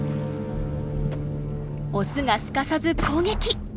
オスがすかさず攻撃！